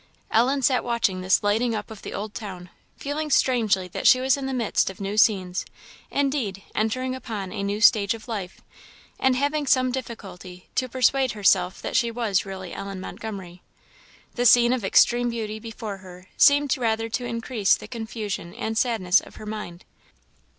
Ellen sat watching this lighting up of the Old Town, feeling strangely that she was in the midst of new scenes, indeed, entering upon a new stage of life; and having some difficulty to persuade herself that she was really Ellen Montgomery. The scene of extreme beauty before her seemed rather to increase the confusion and sadness of her mind.